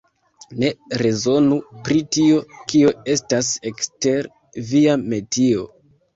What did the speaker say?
Ne rezonu pri tio, kio estas ekster via metio.